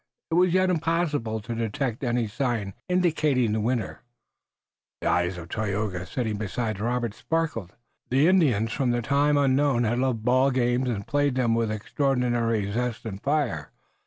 It was yet impossible to detect any sign indicating the winner. The eyes of Tayoga, sitting beside Robert, sparkled. The Indians from time unknown had loved ball games and had played them with extraordinary zest and fire.